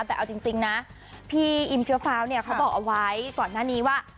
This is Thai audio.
แต่เอาจริงนะพี่อิมเชื้อฟ้าวเนี่ยเขาบอกเอาไว้ก่อนหน้านี้ว่า